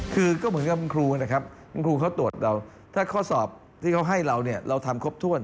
คือก็เหมือนกับครูนะครับ